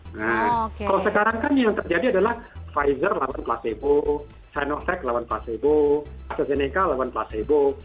nah kalau sekarang kan yang terjadi adalah pfizer lawan placebo sinovac lawan placebo astrazeneca lawan placebo